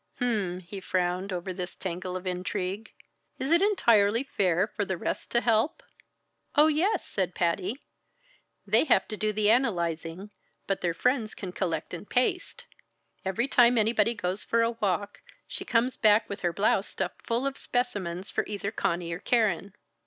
"H'm," he frowned over this tangle of intrigue. "Is it entirely fair for the rest to help?" "Oh, yes!" said Patty. "They have to do the analyzing, but their friends can collect and paste. Every time anybody goes for a walk, she comes back with her blouse stuffed full of specimens for either Conny or Keren.